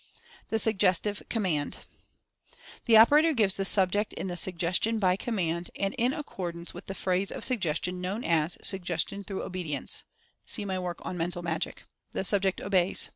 THE SUGGESTIVE COMMAND. The operator gives the subject the "Suggestion by Command," and in accordance with the phase of Sug gestion known as "Suggestion through Obedience" (see my work on "Mental Magic") the subject obeys.